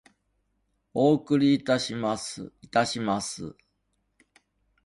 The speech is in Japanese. お送りいたします。いたします。